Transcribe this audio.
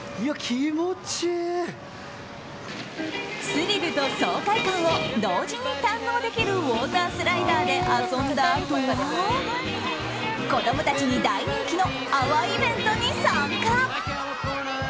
スリルと爽快感を同時に堪能できるウォータースライダーで遊んだあとは子供たちに大人気の泡イベントに参加。